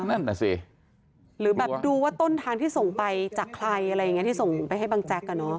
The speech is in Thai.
นั่นน่ะสิหรือแบบดูว่าต้นทางที่ส่งไปจากใครอะไรอย่างเงี้ที่ส่งไปให้บังแจ๊กอ่ะเนอะ